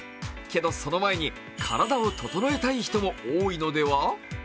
けど、その前に体を整えたい人も多いのでは？